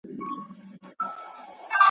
سمدستي د فرعون مخ کي پر سجدو سو .